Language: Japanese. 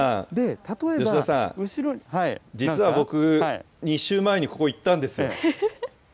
吉田さん、実は僕、２週前にここ、行ったんですよ。